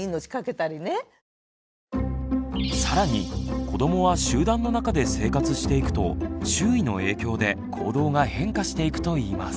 更に子どもは集団の中で生活していくと周囲の影響で行動が変化していくといいます。